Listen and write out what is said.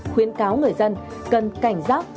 khuyến cáo người dân cần cảnh giác